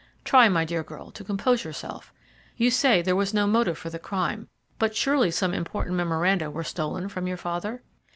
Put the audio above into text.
Try, my dear girl, to compose yourself. You say there was no motive for the crime, but surely some important memoranda were stolen from your father?"